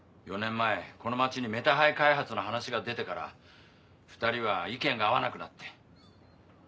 ４年前この町にメタハイ開発の話が出てから２人は意見が合わなくなって。